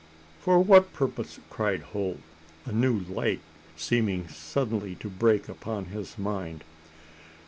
"For what purpose?" cried Holt, a new light seeming suddenly to break upon his mind.